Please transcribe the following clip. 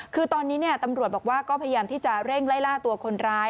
คือตอนนี้ตำรวจบอกว่าก็พยายามที่จะเร่งไล่ล่าตัวคนร้าย